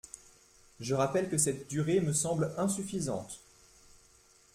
Je rappelle que cette durée me semble insuffisante.